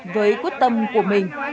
với quyết tâm của mình